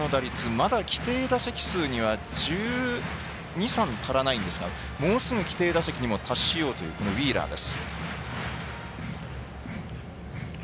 まだ既定打席数には１２、１３足りないんですがもうすぐ規定打席にも達しようというウィーラーです。